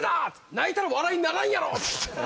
泣いたら笑いにならんやろ」